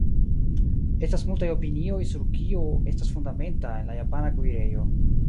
Estas multaj opinioj sur kio estas fundamenta en la japana kuirejo.